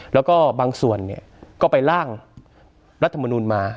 แล้วก็บางส่วนก็ไปล่างรัฐมนุนมา